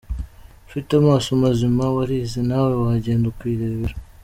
Ufite amaso mazima, warize nawe wagenda ukirebera.